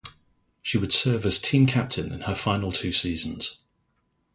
She would serve as team captain in her final two seasons.